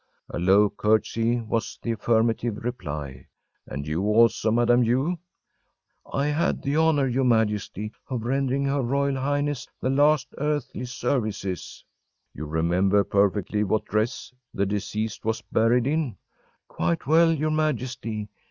‚ÄĚ A low curtsey was the affirmative reply. “And you also, Madame U.?‚ÄĚ “I had the honor, your Majesty, of rendering her royal highness the last earthly services.‚ÄĚ “You remember perfectly what dress the deceased was buried in?‚ÄĚ “Quite well, your Majesty.